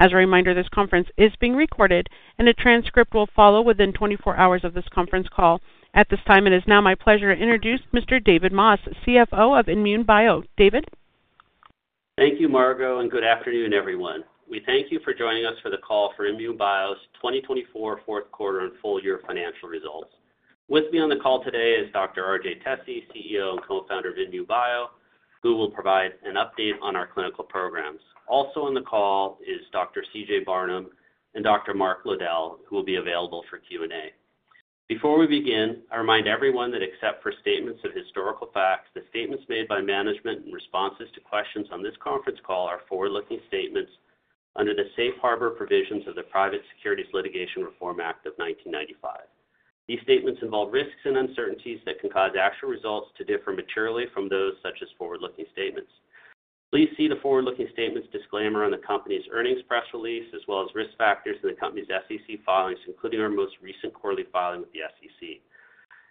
As a reminder, this conference is being recorded, and a transcript will follow within 24 hours of this conference call. At this time, it is now my pleasure to introduce Mr. David Moss, CFO of INmune Bio. David? Thank you, Margo, and good afternoon, everyone. We thank you for joining us for the call for INmune Bio's 2024 fourth quarter and full year financial results. With me on the call today is Dr. R.J. Tesi, CEO and Co-founder of INmune Bio, who will provide an update on our clinical programs. Also on the call is Dr. C.J. Barnum and Dr. Mark Lowdell, who will be available for Q&A. Before we begin, I remind everyone that except for statements of historical fact, the statements made by management and responses to questions on this conference call are forward-looking statements under the Safe Harbor Provisions of the Private Securities Litigation Reform Act of 1995. These statements involve risks and uncertainties that can cause actual results to differ materially from those such as forward-looking statements. Please see the forward-looking statements disclaimer on the company's earnings press release, as well as risk factors in the company's SEC filings, including our most recent quarterly filing with the SEC.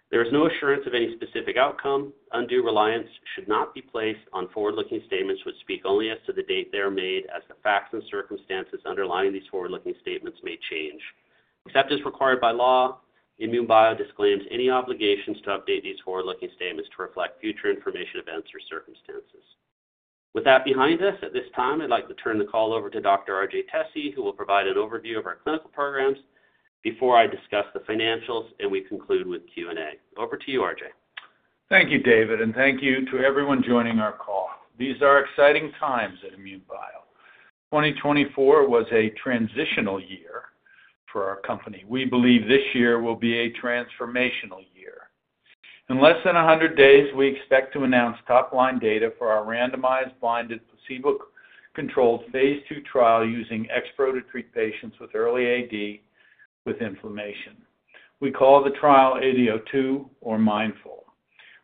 There is no assurance of any specific outcome. Undue reliance should not be placed on forward-looking statements which speak only as to the date they are made, as the facts and circumstances underlying these forward-looking statements may change. Except as required by law, INmune Bio disclaims any obligations to update these forward-looking statements to reflect future information, events, or circumstances. With that behind us, at this time, I'd like to turn the call over to Dr. R.J. Tesi, who will provide an overview of our clinical programs before I discuss the financials, and we conclude with Q&A. Over to you, R.J. Thank you, David, and thank you to everyone joining our call. These are exciting times at INmune Bio. 2024 was a transitional year for our company. We believe this year will be a transformational year. In less than 100 days, we expect to announce top-line data for our randomized blinded placebo-controlled phase II trial using XPro to treat patients with early AD with inflammation. We call the trial AD02 or MINDFuL.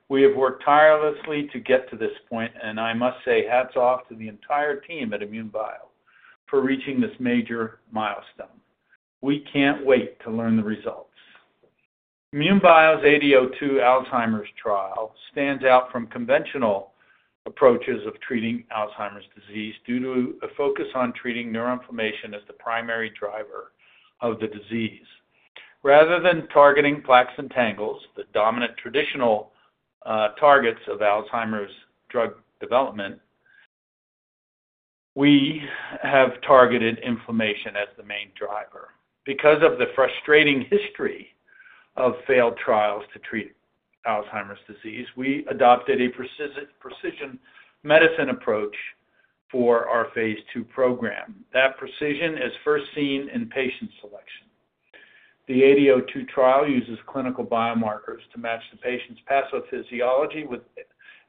We have worked tirelessly to get to this point, and I must say hats off to the entire team at INmune Bio for reaching this major milestone. We can't wait to learn the results. INmune Bio's AD02 Alzheimer's trial stands out from conventional approaches of treating Alzheimer's disease due to a focus on treating neuroinflammation as the primary driver of the disease. Rather than targeting plaques and tangles, the dominant traditional targets of Alzheimer's drug development, we have targeted inflammation as the main driver. Because of the frustrating history of failed trials to treat Alzheimer's disease, we adopted a precision medicine approach for our phase II program. That precision is first seen in patient selection. The AD02 trial uses clinical biomarkers to match the patient's pathophysiology with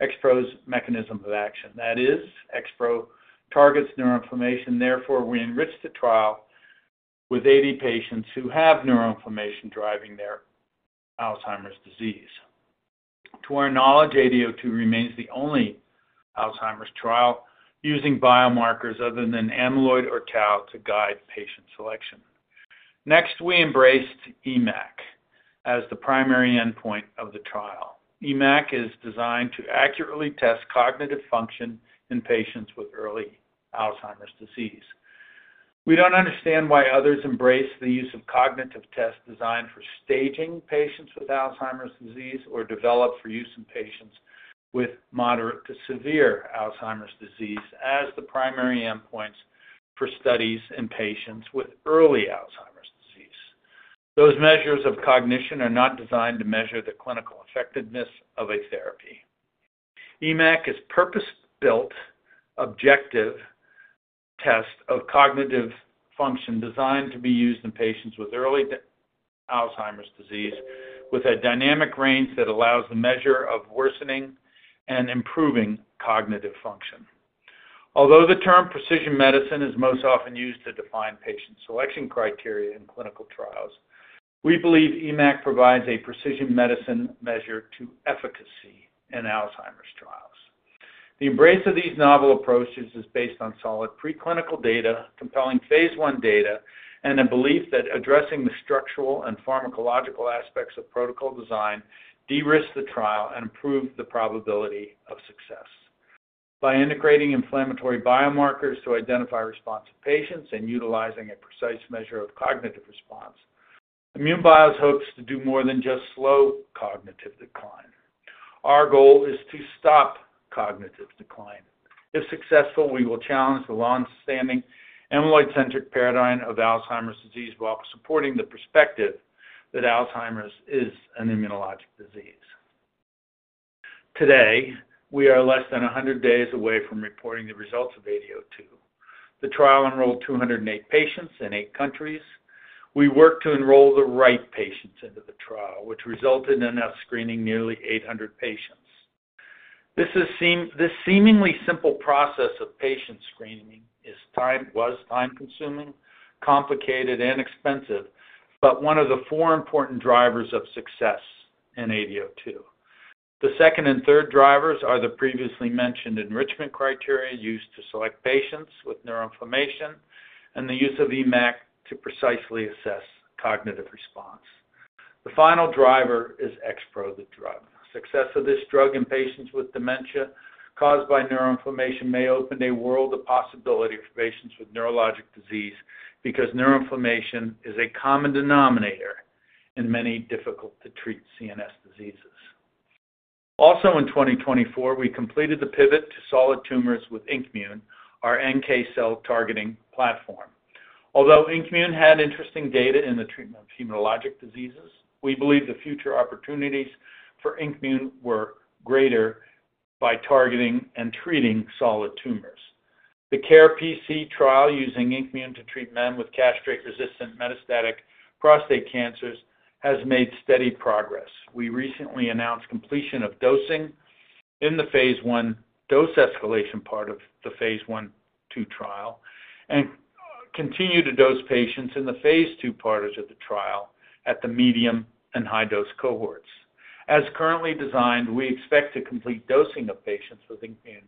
XPro's mechanism of action. That is, XPro targets neuroinflammation. Therefore, we enriched the trial with 80 patients who have neuroinflammation driving their Alzheimer's disease. To our knowledge, AD02 remains the only Alzheimer's trial using biomarkers other than amyloid or tau to guide patient selection. Next, we embraced EMACC as the primary endpoint of the trial. EMACC is designed to accurately test cognitive function in patients with early Alzheimer's disease. We don't understand why others embrace the use of cognitive tests designed for staging patients with Alzheimer's disease or developed for use in patients with moderate to severe Alzheimer's disease as the primary endpoints for studies in patients with early Alzheimer's disease. Those measures of cognition are not designed to measure the clinical effectiveness of a therapy. EMACC is a purpose-built, objective test of cognitive function designed to be used in patients with early Alzheimer's disease with a dynamic range that allows the measure of worsening and improving cognitive function. Although the term precision medicine is most often used to define patient selection criteria in clinical trials, we believe EMACC provides a precision medicine measure to efficacy in Alzheimer's trials. The embrace of these novel approaches is based on solid preclinical data, compelling phase I data, and a belief that addressing the structural and pharmacological aspects of protocol design de-risk the trial and improve the probability of success. By integrating inflammatory biomarkers to identify response of patients and utilizing a precise measure of cognitive response, INmune Bio's hopes to do more than just slow cognitive decline. Our goal is to stop cognitive decline. If successful, we will challenge the long-standing amyloid-centric paradigm of Alzheimer's disease while supporting the perspective that Alzheimer's is an immunologic disease. Today, we are less than 100 days away from reporting the results of AD02. The trial enrolled 208 patients in eight countries. We worked to enroll the right patients into the trial, which resulted in us screening nearly 800 patients. This seemingly simple process of patient screening was time-consuming, complicated, and expensive, but one of the four important drivers of success in AD02. The second and third drivers are the previously mentioned enrichment criteria used to select patients with neuroinflammation and the use of EMACC to precisely assess cognitive response. The final driver is XPro, the drug. Success of this drug in patients with dementia caused by neuroinflammation may open a world of possibility for patients with neurologic disease because neuroinflammation is a common denominator in many difficult-to-treat CNS diseases. Also, in 2024, we completed the pivot to solid tumors with INKmune, our NK cell targeting platform. Although INKmune had interesting data in the treatment of hematologic diseases, we believe the future opportunities for INKmune were greater by targeting and treating solid tumors. The CaRe PC trial using INKmune to treat men with castrate-resistant metastatic prostate cancers has made steady progress. We recently announced completion of dosing in the phase I dose escalation part of the phase I/II trial and continue to dose patients in the phase II part of the trial at the medium and high dose cohorts. As currently designed, we expect to complete dosing of patients with INKmune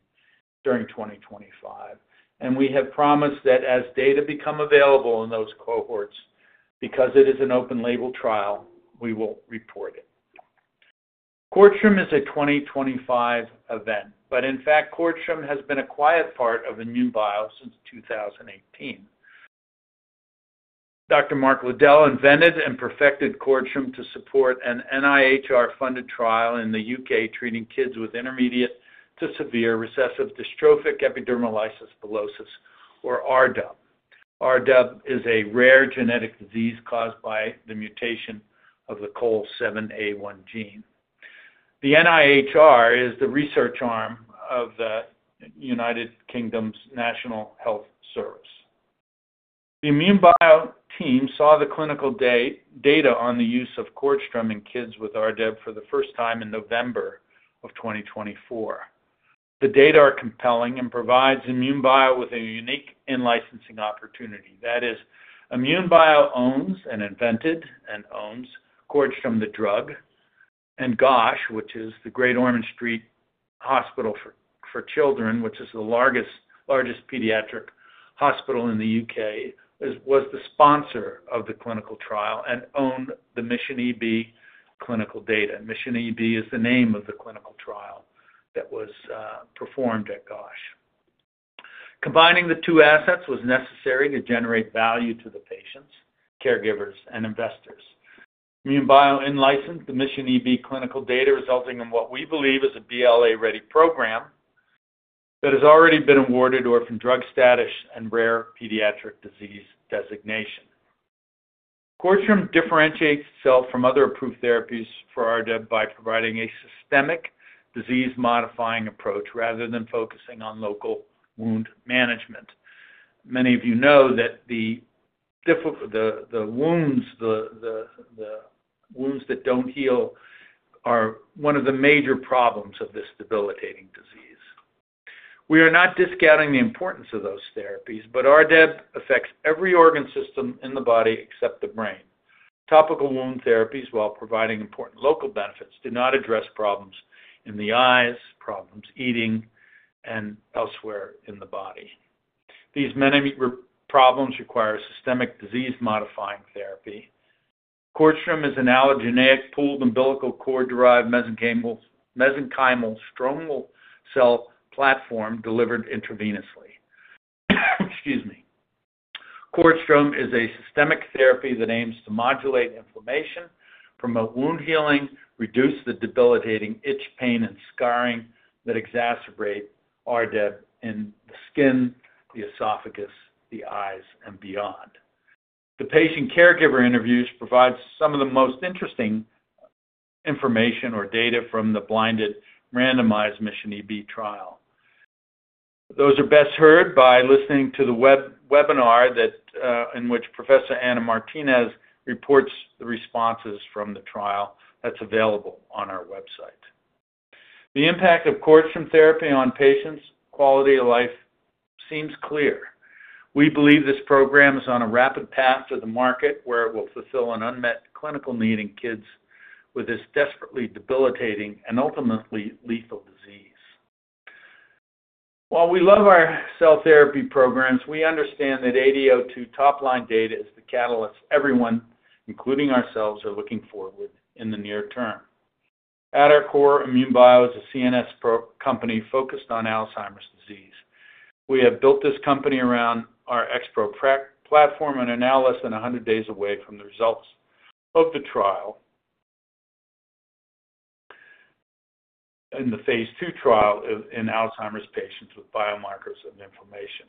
during 2025, and we have promised that as data become available in those cohorts, because it is an open-label trial, we will report it. CORDStrom is a 2025 event, but in fact, CORDStrom has been a quiet part of INmune Bio since 2018. Dr. Mark Lowdell invented and perfected CORDStrom to support an NIHR-funded trial in the U.K. treating kids with intermediate to severe recessive dystrophic epidermolysis bullosa, or RDEB. RDEB is a rare genetic disease caused by the mutation of the COL7A1 gene. The NIHR is the research arm of the United Kingdom's National Health Service. The INmune Bio team saw the clinical data on the use of CORDStrom in kids with RDEB for the first time in November of 2024. The data are compelling and provide INmune Bio with a unique in-licensing opportunity. That is, INmune Bio invented and owns CORDStrom, the drug, and GOSH, which is the Great Ormond Street Hospital for Children, which is the largest pediatric hospital in the U.K., was the sponsor of the clinical trial and owned the MissionEB clinical data. MissionEB is the name of the clinical trial that was performed at GOSH. Combining the two assets was necessary to generate value to the patients, caregivers, and investors. INmune Bio in-licensed the MissionEB clinical data, resulting in what we believe is a BLA-ready program that has already been awarded orphan drug status and rare pediatric disease designation. CORDStrom differentiates itself from other approved therapies for RDEB by providing a systemic disease-modifying approach rather than focusing on local wound management. Many of you know that the wounds that do not heal are one of the major problems of this debilitating disease. We are not discounting the importance of those therapies, but RDEB affects every organ system in the body except the brain. Topical wound therapies, while providing important local benefits, do not address problems in the eyes, problems eating, and elsewhere in the body. These many problems require systemic disease-modifying therapy. CORDStrom is an allogeneic pooled umbilical cord-derived mesenchymal stromal cell platform delivered intravenously. CORDStrom is a systemic therapy that aims to modulate inflammation, promote wound healing, reduce the debilitating itch, pain, and scarring that exacerbate RDEB in the skin, the esophagus, the eyes, and beyond. The patient caregiver interviews provide some of the most interesting information or data from the blinded randomized MissionEB trial. Those are best heard by listening to the webinar in which Professor Anna Martinez reports the responses from the trial that is available on our website. The impact of CORDStrom therapy on patients' quality of life seems clear. We believe this program is on a rapid path to the market where it will fulfill an unmet clinical need in kids with this desperately debilitating and ultimately lethal disease. While we love our cell therapy programs, we understand that AD02 top-line data is the catalyst everyone, including ourselves, are looking forward to in the near term. At our core, INmune Bio is a CNS company focused on Alzheimer's disease. We have built this company around our XPro platform and are now less than 100 days away from the results of the trial in the phase II trial in Alzheimer's patients with biomarkers of inflammation.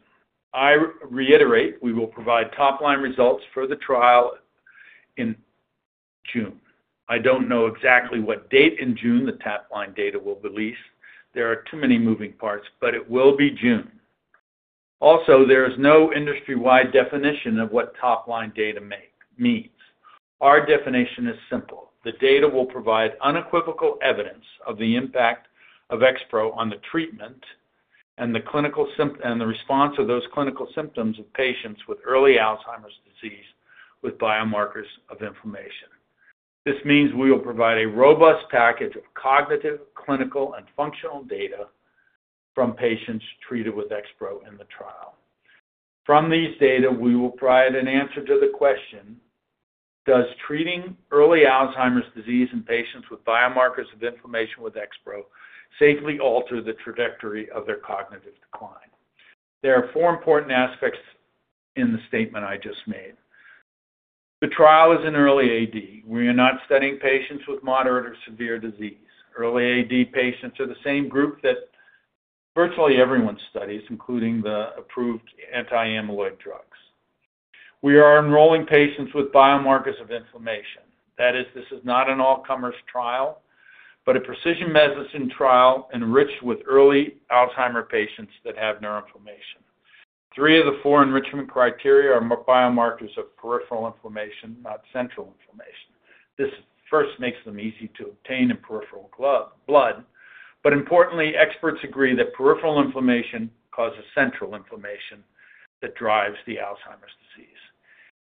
I reiterate, we will provide top-line results for the trial in June. I don't know exactly what date in June the top-line data will release. There are too many moving parts, but it will be June. Also, there is no industry-wide definition of what top-line data means. Our definition is simple. The data will provide unequivocal evidence of the impact of XPro on the treatment and the response of those clinical symptoms of patients with early Alzheimer's disease with biomarkers of inflammation. This means we will provide a robust package of cognitive, clinical, and functional data from patients treated with XPro in the trial. From these data, we will provide an answer to the question, does treating early Alzheimer's disease in patients with biomarkers of inflammation with XPro safely alter the trajectory of their cognitive decline? There are four important aspects in the statement I just made. The trial is in early AD. We are not studying patients with moderate or severe disease. Early AD patients are the same group that virtually everyone studies, including the approved anti-amyloid drugs. We are enrolling patients with biomarkers of inflammation. That is, this is not an all-comers trial, but a precision medicine trial enriched with early Alzheimer's patients that have neuroinflammation. Three of the four enrichment criteria are biomarkers of peripheral inflammation, not central inflammation. This first makes them easy to obtain in peripheral blood, but importantly, experts agree that peripheral inflammation causes central inflammation that drives the Alzheimer's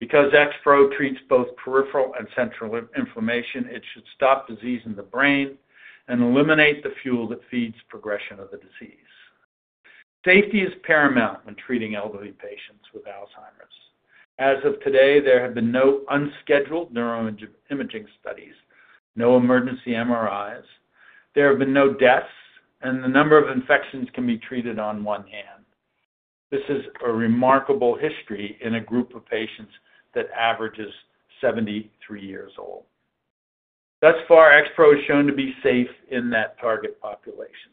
disease. Because XPro treats both peripheral and central inflammation, it should stop disease in the brain and eliminate the fuel that feeds progression of the disease. Safety is paramount when treating elderly patients with Alzheimer's. As of today, there have been no unscheduled neuroimaging studies, no emergency MRIs. There have been no deaths, and the number of infections can be treated on one hand. This is a remarkable history in a group of patients that averages 73 years old. Thus far, XPro is shown to be safe in that target population.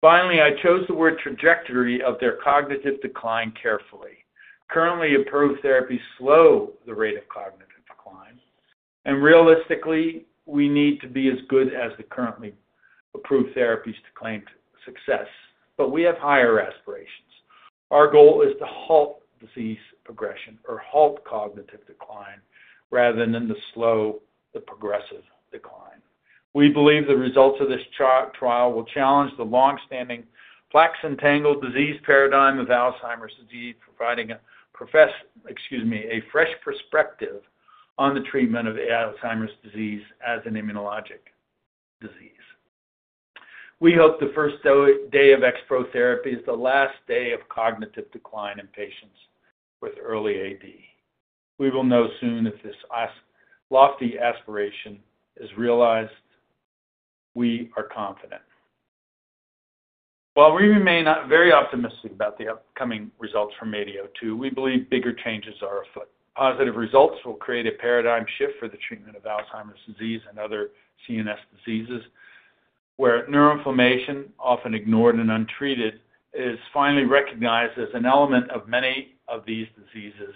Finally, I chose the word trajectory of their cognitive decline carefully. Currently, approved therapies slow the rate of cognitive decline, and realistically, we need to be as good as the currently approved therapies to claim success, but we have higher aspirations. Our goal is to halt disease progression or halt cognitive decline rather than slow the progressive decline. We believe the results of this trial will challenge the long-standing plaques and tangles disease paradigm of Alzheimer's disease, providing a fresh perspective on the treatment of Alzheimer's disease as an immunologic disease. We hope the first day of XPro therapy is the last day of cognitive decline in patients with early AD. We will know soon if this lofty aspiration is realized. We are confident. While we remain very optimistic about the upcoming results from AD02, we believe bigger changes are afoot. Positive results will create a paradigm shift for the treatment of Alzheimer's disease and other CNS diseases where neuroinflammation, often ignored and untreated, is finally recognized as an element of many of these diseases,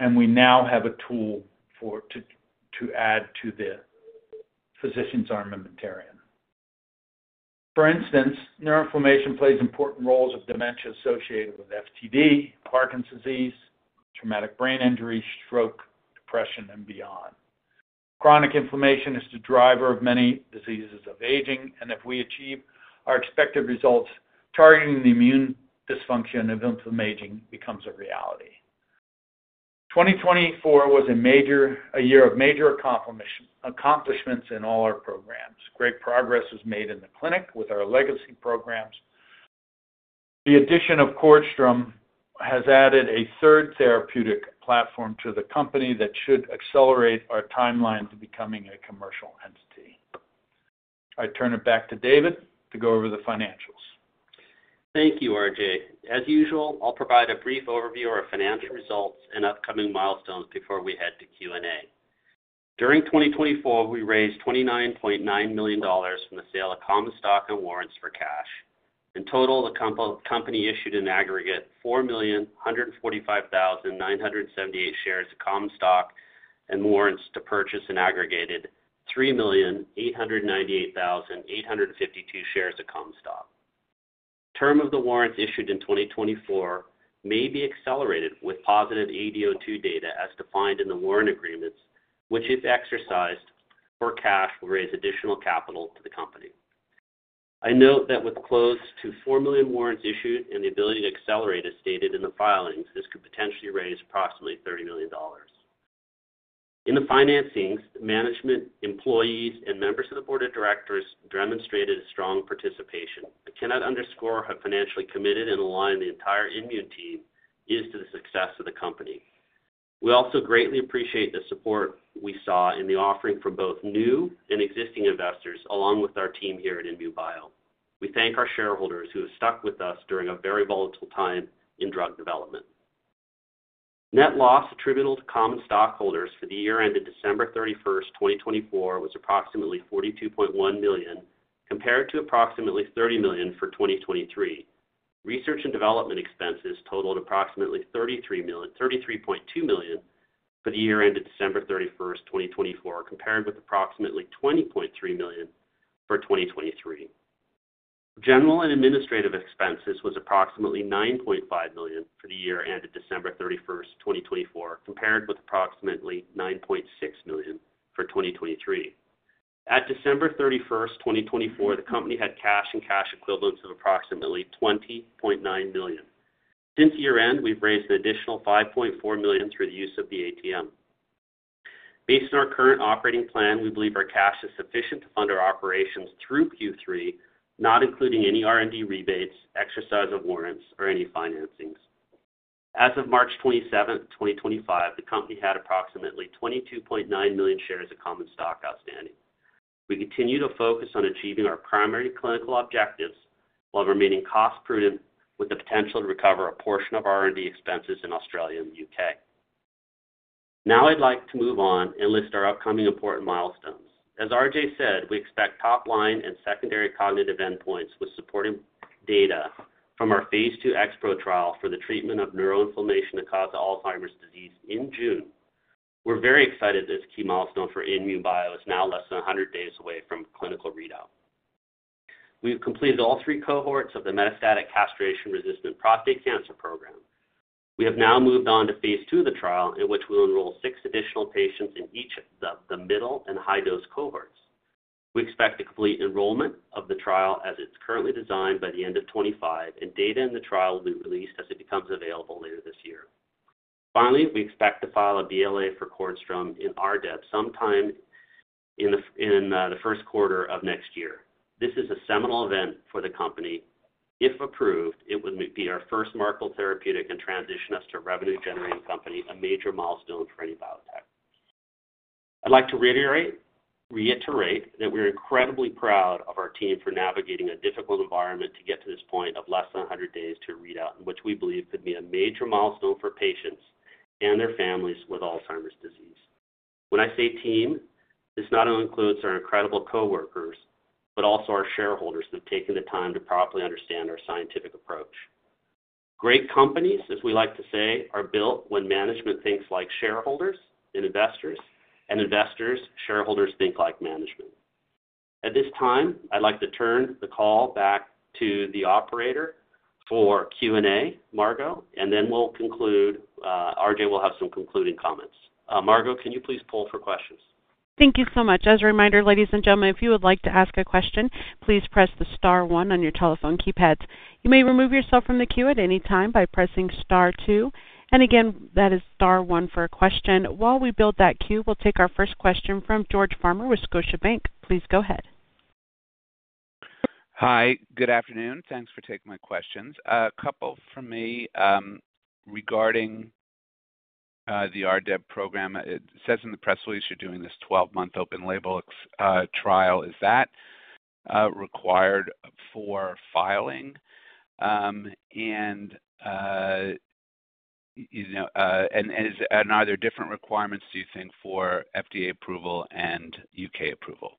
and we now have a tool to add to the physician's armamentarium. For instance, neuroinflammation plays important roles in dementia associated with FTD, Parkinson's disease, traumatic brain injury, stroke, depression, and beyond. Chronic inflammation is the driver of many diseases of aging, and if we achieve our expected results, targeting the immune dysfunction of inflammation becomes a reality. 2024 was a year of major accomplishments in all our programs. Great progress was made in the clinic with our legacy programs. The addition of CORDStrom has added a third therapeutic platform to the company that should accelerate our timeline to becoming a commercial entity. I turn it back to David to go over the financials. Thank you, R.J. As usual, I'll provide a brief overview of our financial results and upcoming milestones before we head to Q&A. During 2024, we raised $29.9 million from the sale of common stock and warrants for cash. In total, the company issued an aggregate of 4,145,978 shares of common stock and warrants to purchase an aggregate 3,898,852 shares of common stock. Term of the warrants issued in 2024 may be accelerated with positive AD02 data as defined in the warrant agreements, which, if exercised for cash, will raise additional capital to the company. I note that with close to 4 million warrants issued and the ability to accelerate as stated in the filings, this could potentially raise approximately $30 million. In the financings, management, employees, and members of the board of directors demonstrated strong participation. I cannot underscore how financially committed and aligned the entire INmune Team is to the success of the company. We also greatly appreciate the support we saw in the offering from both new and existing investors, along with our team here at INmune Bio. We thank our shareholders who have stuck with us during a very volatile time in drug development. Net loss attributable to common stockholders for the year ended December 31st, 2024, was approximately $42.1 million, compared to approximately $30 million for 2023. Research and development expenses totaled approximately $33.2 million for the year ended December 31st, 2024, compared with approximately $20.3 million for 2023. General and administrative expenses were approximately $9.5 million for the year ended December 31st, 2024, compared with approximately $9.6 million for 2023. At December 31st, 2024, the company had cash and cash equivalents of approximately $20.9 million. Since year-end, we've raised an additional $5.4 million through the use of the ATM. Based on our current operating plan, we believe our cash is sufficient to fund our operations through Q3, not including any R&D rebates, exercise of warrants, or any financings. As of March 27th, 2025, the company had approximately 22.9 million shares of common stock outstanding. We continue to focus on achieving our primary clinical objectives while remaining cost-prudent with the potential to recover a portion of our R&D expenses in Australia and the U.K. Now I'd like to move on and list our upcoming important milestones. As R.J. said, we expect top-line and secondary cognitive endpoints with supporting data from our phase II XPro trial for the treatment of neuroinflammation that caused Alzheimer's disease in June. We're very excited that this key milestone for INmune Bio is now less than 100 days away from clinical readout. We've completed all three cohorts of the metastatic castration-resistant prostate cancer program. We have now moved on to phase II of the trial, in which we'll enroll six additional patients in each of the middle and high-dose cohorts. We expect the complete enrollment of the trial as it's currently designed by the end of 2025, and data in the trial will be released as it becomes available later this year. Finally, we expect to file a BLA for CORDStrom in RDEB sometime in the first quarter of next year. This is a seminal event for the company. If approved, it would be our first marketable therapeutic and transition us to a revenue-generating company, a major milestone for any biotech. I'd like to reiterate that we're incredibly proud of our team for navigating a difficult environment to get to this point of less than 100 days to readout, in which we believe could be a major milestone for patients and their families with Alzheimer's disease. When I say team, this not only includes our incredible coworkers, but also our shareholders who have taken the time to properly understand our scientific approach. Great companies, as we like to say, are built when management thinks like shareholders and investors, and investors, shareholders think like management. At this time, I'd like to turn the call back to the operator for Q&A, Margo, and then we'll conclude. R.J. will have some concluding comments. Margo, can you please poll for questions? Thank you so much. As a reminder, ladies and gentlemen, if you would like to ask a question, please press the star one on your telephone keypads. You may remove yourself from the queue at any time by pressing star two. Again, that is star one for a question. While we build that queue, we'll take our first question from George Farmer with Scotiabank. Please go ahead. Hi. Good afternoon. Thanks for taking my questions. A couple from me regarding the RDEB program. It says in the press release you're doing this 12-month open label trial. Is that required for filing? Are there different requirements, do you think, for FDA approval and U.K. approval?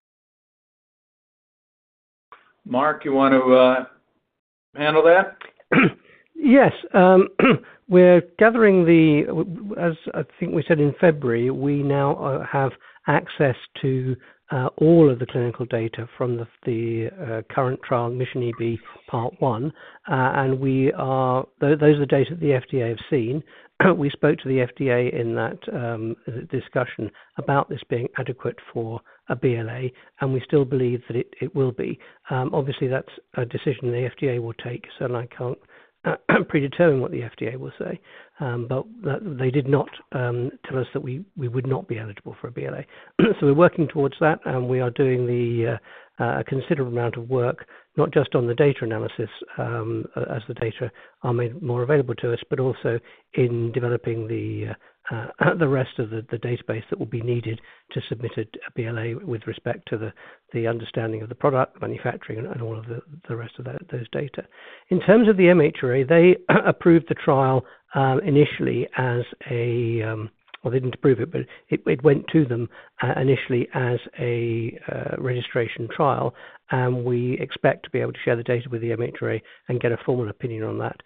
Mark, you want to handle that? Yes. We're gathering the, as I think we said in February, we now have access to all of the clinical data from the current trial, MissionEB part one, and those are the data that the FDA have seen. We spoke to the FDA in that discussion about this being adequate for a BLA, and we still believe that it will be. Obviously, that's a decision the FDA will take, so I can't predetermine what the FDA will say, but they did not tell us that we would not be eligible for a BLA. We are working towards that, and we are doing a considerable amount of work, not just on the data analysis as the data are made more available to us, but also in developing the rest of the database that will be needed to submit a BLA with respect to the understanding of the product, manufacturing, and all of the rest of those data. In terms of the MHRA, they approved the trial initially as a, well, they did not approve it, but it went to them initially as a registration trial, and we expect to be able to share the data with the MHRA and get a formal opinion on that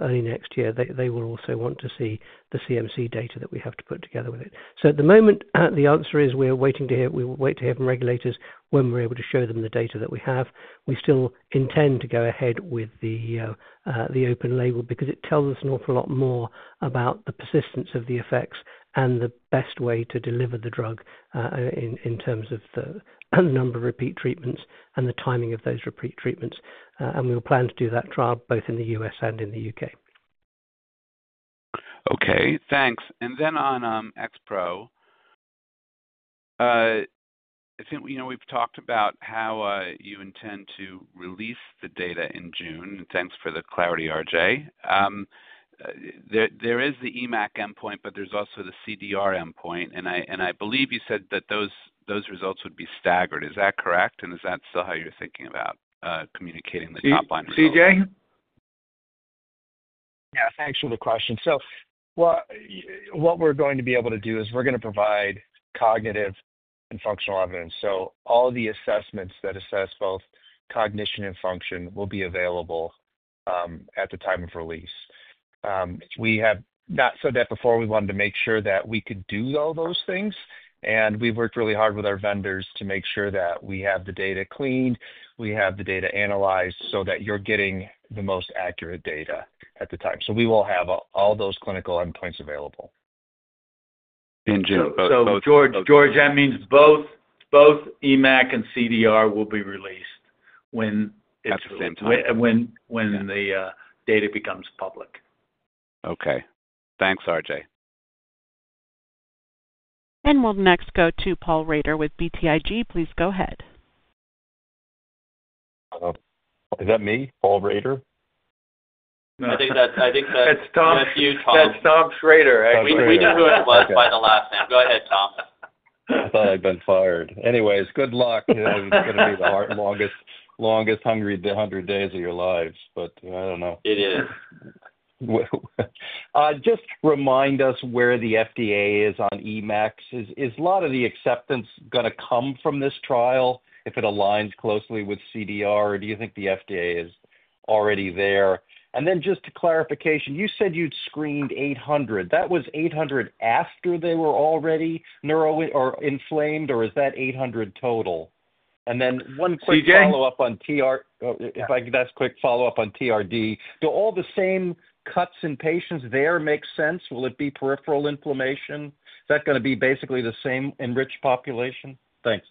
early next year. They will also want to see the CMC data that we have to put together with it. At the moment, the answer is we're waiting to hear, we will wait to hear from regulators when we're able to show them the data that we have. We still intend to go ahead with the open label because it tells us an awful lot more about the persistence of the effects and the best way to deliver the drug in terms of the number of repeat treatments and the timing of those repeat treatments. We will plan to do that trial both in the U.S. and in the U.K. Okay. Thanks. And then on XPro, I think we've talked about how you intend to release the data in June. Thanks for the clarity, R.J. There is the EMACC endpoint, but there's also the CDR endpoint, and I believe you said that those results would be staggered. Is that correct? Is that still how you're thinking about communicating the top-line results? C.J.? Yeah. Thanks for the question. What we're going to be able to do is we're going to provide cognitive and functional evidence. All the assessments that assess both cognition and function will be available at the time of release. We have not said that before. We wanted to make sure that we could do all those things, and we've worked really hard with our vendors to make sure that we have the data cleaned, we have the data analyzed so that you're getting the most accurate data at the time. We will have all those clinical endpoints available in June. George, that means both EMACC and CDR will be released at the same time when the data becomes public. Okay. Thanks, R.J. We'll next go to Paul Rader with BTIG. Please go ahead. Is that me, Paul Rader? No. I think that's— It's Tom. That's you, Tom. That's Tom Shrader, actually. We knew who it was by the last name. Go ahead, Tom. I thought I'd been fired. Anyways, good luck. It's going to be the longest hungry 100 days of your lives, but I don't know. It is. Just remind us where the FDA is on EMACCs. Is a lot of the acceptance going to come from this trial if it aligns closely with CDR, or do you think the FDA is already there? Just a clarification, you said you'd screened 800. That was 800 after they were already inflamed, or is that 800 total? One quick follow-up on— C.J.? If I could ask a quick follow-up on TRD, do all the same cuts in patients there make sense? Will it be peripheral inflammation? Is that going to be basically the same enriched population? Thanks.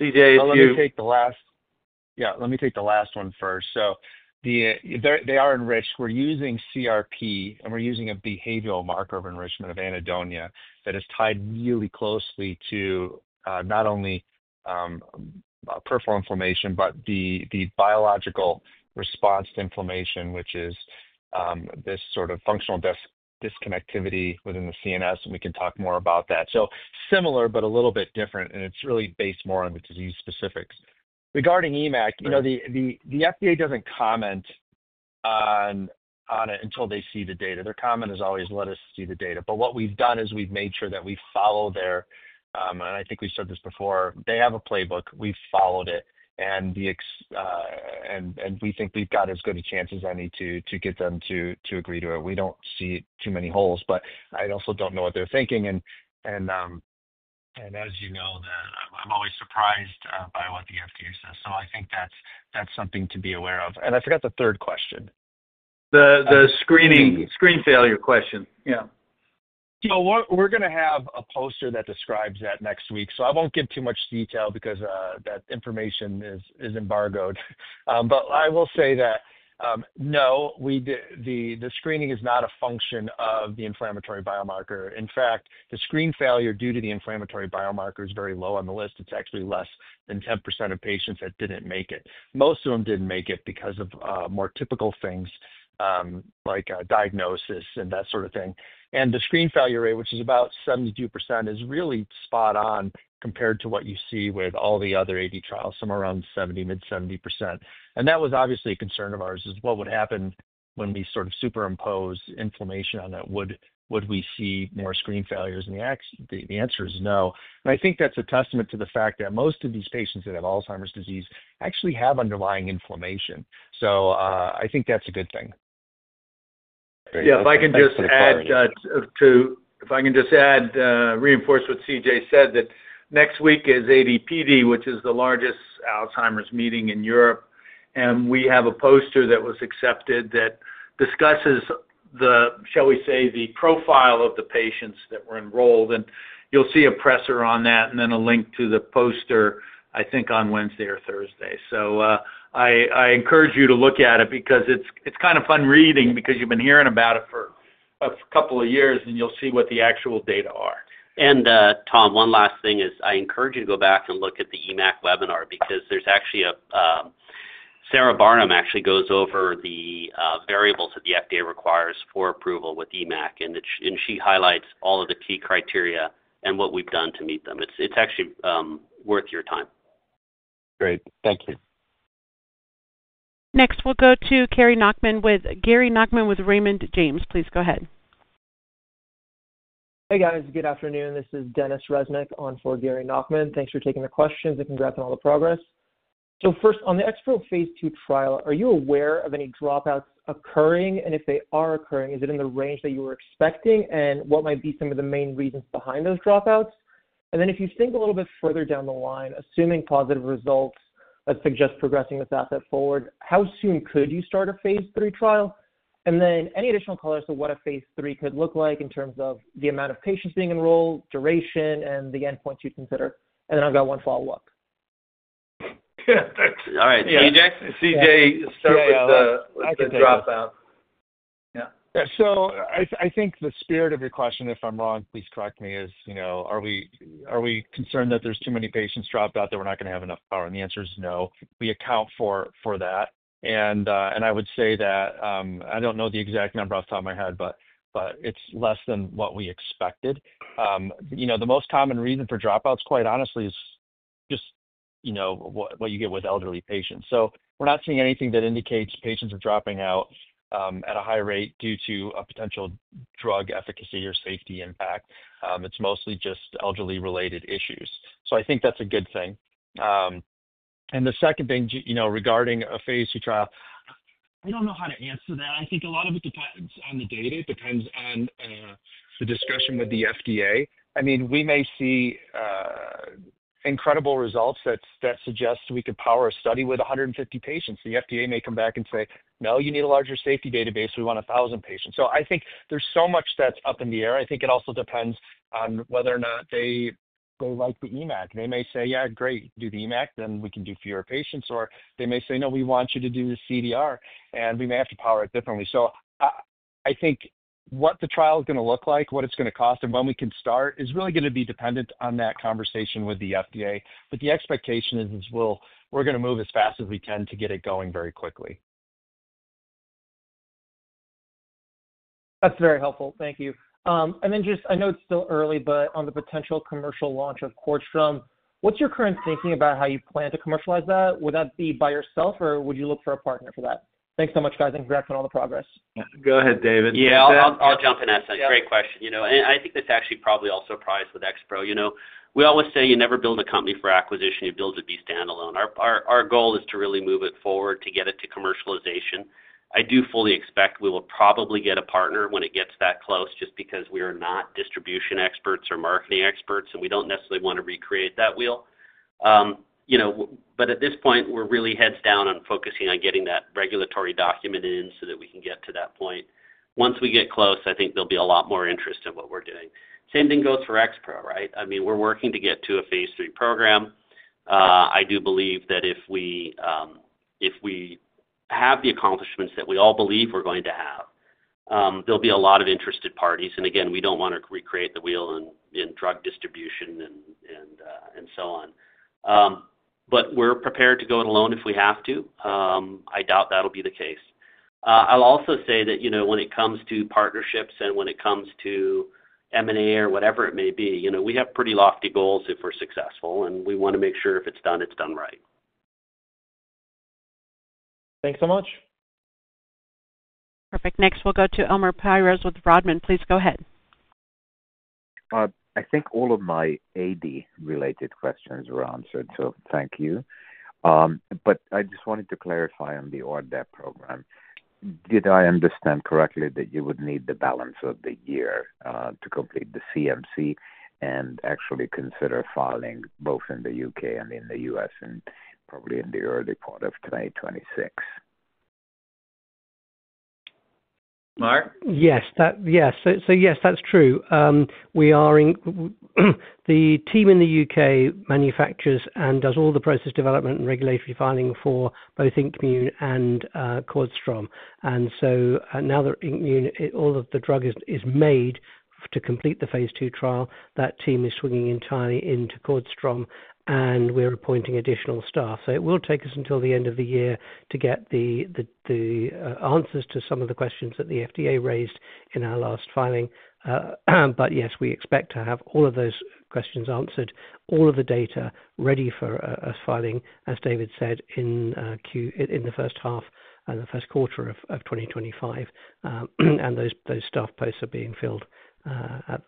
C.J., if you— I'll take the last— Yeah. Let me take the last one first. They are enriched. We're using CRP, and we're using a behavioral marker of enrichment of anhedonia that is tied really closely to not only peripheral inflammation, but the biological response to inflammation, which is this sort of functional disconnectivity within the CNS, and we can talk more about that. Similar, but a little bit different, and it's really based more on the disease specifics. Regarding EMACC, the FDA doesn't comment on it until they see the data. Their comment is always, "Let us see the data." What we've done is we've made sure that we follow their— and I think we've said this before— they have a playbook. We've followed it, and we think we've got as good a chance as any to get them to agree to it. We don't see too many holes, but I also don't know what they're thinking. As you know, I'm always surprised by what the FDA says. I think that's something to be aware of. I forgot the third question. The screen failure question. Yeah. We're going to have a poster that describes that next week. I won't give too much detail because that information is embargoed. I will say that, no, the screening is not a function of the inflammatory biomarker. In fact, the screen failure due to the inflammatory biomarker is very low on the list. It's actually less than 10% of patients that didn't make it. Most of them didn't make it because of more typical things like diagnosis and that sort of thing. The screen failure rate, which is about 72%, is really spot on compared to what you see with all the other AD trials, somewhere around 70%, mid 70%. That was obviously a concern of ours is what would happen when we sort of superimpose inflammation on it. Would we see more screen failures? The answer is no. I think that's a testament to the fact that most of these patients that have Alzheimer's disease actually have underlying inflammation. I think that's a good thing. Yeah. If I can just add, reinforce what C.J. said, that next week is AD/PD, which is the largest Alzheimer's meeting in Europe. We have a poster that was accepted that discusses, shall we say, the profile of the patients that were enrolled. You'll see a presser on that and then a link to the poster, I think, on Wednesday or Thursday. I encourage you to look at it because it's kind of fun reading because you've been hearing about it for a couple of years, and you'll see what the actual data are. Tom, one last thing is I encourage you to go back and look at the EMACC webinar because there's actually a—Sarah Barnum actually goes over the variables that the FDA requires for approval with EMACC, and she highlights all of the key criteria and what we've done to meet them. It's actually worth your time. Great. Thank you. Next, we'll go to Gary Nachman with Raymond James. Please go ahead. Hey, guys. Good afternoon. This is Denis Reznik on for Gary Nachman. Thanks for taking the questions and congrats on all the progress. First, on the XPro phase II trial, are you aware of any dropouts occurring? If they are occurring, is it in the range that you were expecting? What might be some of the main reasons behind those dropouts? If you think a little bit further down the line, assuming positive results that suggest progressing this asset forward, how soon could you start a phase III trial? Any additional colors to what a phase III could look like in terms of the amount of patients being enrolled, duration, and the endpoints you'd consider? I've got one follow-up. All right. C.J., start with the dropout. Yeah. I think the spirit of your question, if I'm wrong, please correct me, is are we concerned that there's too many patients dropped out that we're not going to have enough power? The answer is no. We account for that. I would say that I don't know the exact number off the top of my head, but it's less than what we expected. The most common reason for dropouts, quite honestly, is just what you get with elderly patients. We're not seeing anything that indicates patients are dropping out at a high rate due to a potential drug efficacy or safety impact. It's mostly just elderly-related issues. I think that's a good thing. The second thing regarding a phase II trial, I don't know how to answer that. I think a lot of it depends on the data. It depends on the discussion with the FDA. I mean, we may see incredible results that suggest we could power a study with 150 patients. The FDA may come back and say, "No, you need a larger safety database. We want 1,000 patients." I think there is so much that is up in the air. I think it also depends on whether or not they like the EMACC. They may say, "Yeah, great. Do the EMACC, then we can do fewer patients." They may say, "No, we want you to do the CDR," and we may have to power it differently. I think what the trial is going to look like, what it is going to cost, and when we can start is really going to be dependent on that conversation with the FDA. The expectation is we're going to move as fast as we can to get it going very quickly. That's very helpful. Thank you. I know it's still early, but on the potential commercial launch of CORDStrom, what's your current thinking about how you plan to commercialize that? Would that be by yourself, or would you look for a partner for that? Thanks so much, guys. Congrats on all the progress. Go ahead, David. Yeah. I'll jump in. That's a great question. I think that's actually probably also a surprise with XPro. We always say you never build a company for acquisition. You build it to be standalone. Our goal is to really move it forward to get it to commercialization. I do fully expect we will probably get a partner when it gets that close just because we are not distribution experts or marketing experts, and we do not necessarily want to recreate that wheel. At this point, we are really heads down on focusing on getting that regulatory document in so that we can get to that point. Once we get close, I think there will be a lot more interest in what we are doing. Same thing goes for XPro, right? I mean, we are working to get to a phase III program. I do believe that if we have the accomplishments that we all believe we are going to have, there will be a lot of interested parties. We do not want to recreate the wheel in drug distribution and so on. We are prepared to go it alone if we have to. I doubt that will be the case. I'll also say that when it comes to partnerships and when it comes to M&A or whatever it may be, we have pretty lofty goals if we're successful, and we want to make sure if it's done, it's done right. Thanks so much. Perfect. Next, we'll go to Elemer Piros with Rodman. Please go ahead. I think all of my AD-related questions were answered, so thank you. I just wanted to clarify on the RDEB program. Did I understand correctly that you would need the balance of the year to complete the CMC and actually consider filing both in the U.K. and in the U.S. and probably in the early part of 2026? Mark? Yes. Yes. Yes, that's true. The team in the U.K. manufactures and does all the process development and regulatory filing for both INmune and CORDStrom. Now that all of the drug is made to complete the phase II trial, that team is swinging entirely into CORDStrom, and we're appointing additional staff. It will take us until the end of the year to get the answers to some of the questions that the FDA raised in our last filing. Yes, we expect to have all of those questions answered, all of the data ready for U.S. filing, as David said, in the first half and the first quarter of 2025. Those staff posts are being filled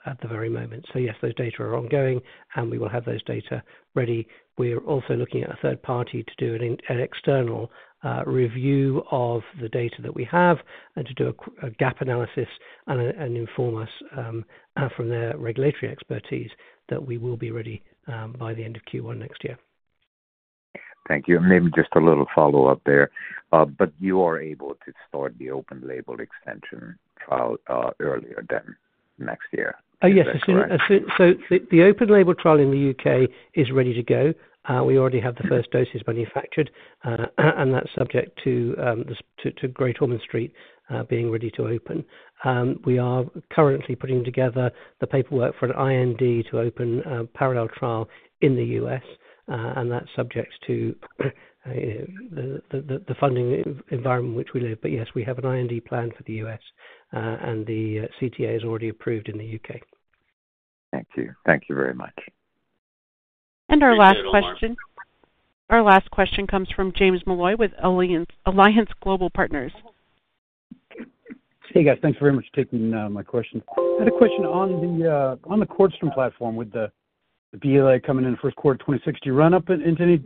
at the very moment. Yes, those data are ongoing, and we will have those data ready. We're also looking at a third party to do an external review of the data that we have and to do a gap analysis and inform us from their regulatory expertise that we will be ready by the end of Q1 next year. Thank you. Maybe just a little follow-up there. You are able to start the open-label extension trial earlier than next year. Yes. The open-label trial in the U.K. is ready to go. We already have the first doses manufactured, and that is subject to Great Ormond Street being ready to open. We are currently putting together the paperwork for an IND to open a parallel trial in the U.S., and that is subject to the funding environment in which we live. Yes, we have an IND plan for the U.S., and the CTA is already approved in the U.K. Thank you. Thank you very much. Our last question comes from James Molloy with Alliance Global Partners. Hey, guys. Thanks very much for taking my questions. I had a question on the CORDStrom platform with the BLA coming in the first quarter of 2026. Do you run up into any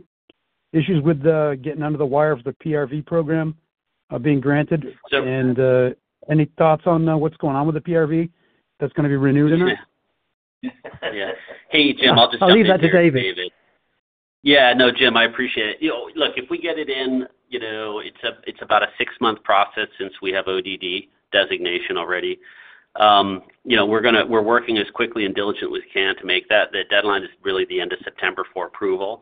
issues with getting under the wire for the PRV program being granted? Any thoughts on what's going on with the PRV that's going to be renewed in there? Yeah. Hey, Jim, I'll just jump in. I'll leave that to David. Yeah. No, Jim, I appreciate it. Look, if we get it in, it's about a six-month process since we have ODD designation already. We're working as quickly and diligently as we can to make that. The deadline is really the end of September for approval.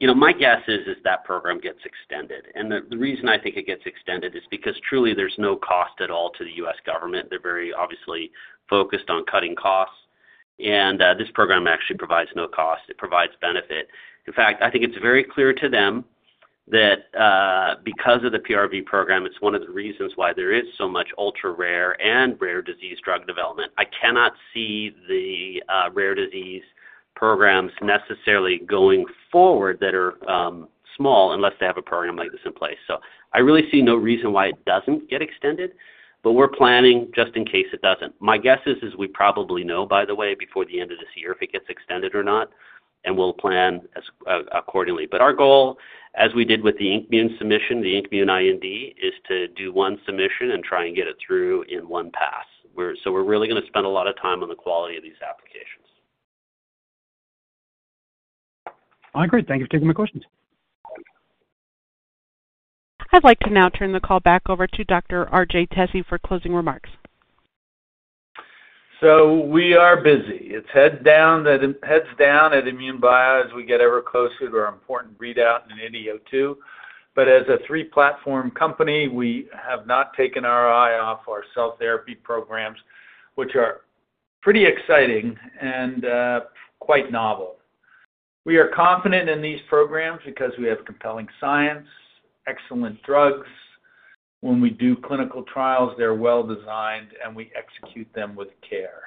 My guess is that program gets extended. The reason I think it gets extended is because truly there's no cost at all to the U.S. government. They're very obviously focused on cutting costs. This program actually provides no cost. It provides benefit. In fact, I think it's very clear to them that because of the PRV program, it's one of the reasons why there is so much ultra-rare and rare disease drug development. I cannot see the rare disease programs necessarily going forward that are small unless they have a program like this in place. I really see no reason why it doesn't get extended, but we're planning just in case it doesn't. My guess is we probably know, by the way, before the end of this year if it gets extended or not, and we'll plan accordingly. Our goal, as we did with the INKmune submission, the INKmune IND, is to do one submission and try and get it through in one pass. We are really going to spend a lot of time on the quality of these applications. All right. Great. Thank you for taking my questions. I would like to now turn the call back over to Dr. R.J. Tesi for closing remarks. We are busy. It is heads down at INmune Bio as we get ever closer to our important readout in AD02. As a three-platform company, we have not taken our eye off our cell therapy programs, which are pretty exciting and quite novel. We are confident in these programs because we have compelling science, excellent drugs. When we do clinical trials, they are well-designed, and we execute them with care.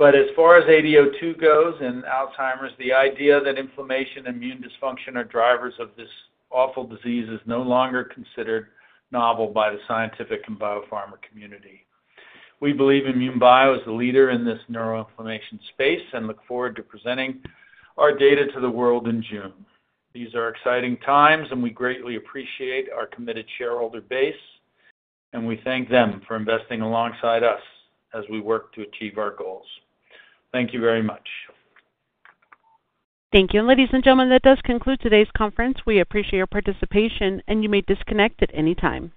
As far as AD02 goes and Alzheimer's, the idea that inflammation and immune dysfunction are drivers of this awful disease is no longer considered novel by the scientific and biopharma community. We believe INmune Bio is the leader in this neuroinflammation space and look forward to presenting our data to the world in June. These are exciting times, and we greatly appreciate our committed shareholder base, and we thank them for investing alongside us as we work to achieve our goals. Thank you very much. Thank you. Ladies and gentlemen, that does conclude today's conference. We appreciate your participation, and you may disconnect at any time.